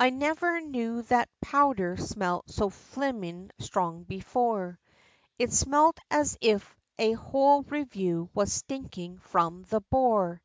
I never knew that powdher smelt so flamin' strong before, It smelt as if a whole review, was stinkin' from the bore!